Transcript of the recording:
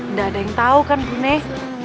nggak ada yang tahu kan bu nes